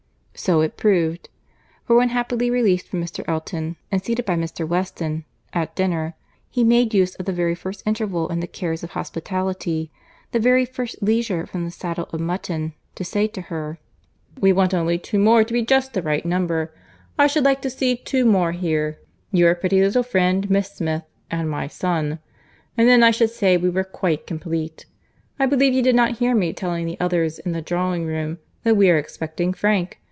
—So it proved;—for when happily released from Mr. Elton, and seated by Mr. Weston, at dinner, he made use of the very first interval in the cares of hospitality, the very first leisure from the saddle of mutton, to say to her, "We want only two more to be just the right number. I should like to see two more here,—your pretty little friend, Miss Smith, and my son—and then I should say we were quite complete. I believe you did not hear me telling the others in the drawing room that we are expecting Frank.